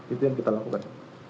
itu yang kita lakukan